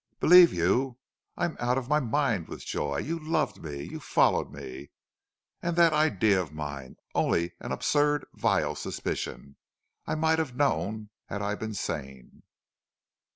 "Believe you?... I'm out of my mind with joy.... You loved me! You followed me!... And that idea of mine only an absurd, vile suspicion! I might have known had I been sane!"